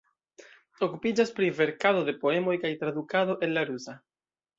Okupiĝas pri verkado de poemoj kaj tradukado el la rusa.